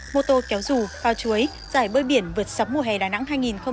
mô tô kéo rù phao chuối giải bơi biển vượt sóng mùa hè đà nẵng hai nghìn hai mươi bốn